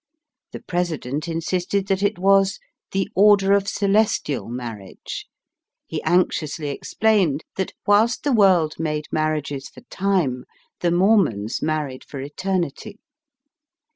The President insisted that it was ^^ the order of celestial marriage." He anxiously ex plained that, whilst the world made marriages for time, the Mormons married for eternity.